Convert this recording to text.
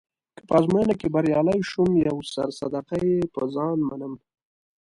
که په ازموینه کې بریالی شوم یو سر صدقه يه ځان منم.